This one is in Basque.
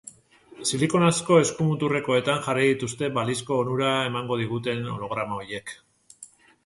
Silikonazko esku-muturrekoetan jarri dituzte balizko onura emango diguten holograma hoiek.